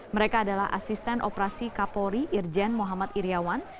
mereka adalah asisten operasi kapolri irjen muhammad iryawan